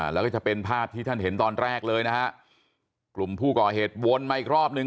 แล้วก็จะเป็นภาพที่ท่านเห็นตอนแรกเลยนะฮะกลุ่มผู้ก่อเหตุวนมาอีกรอบหนึ่ง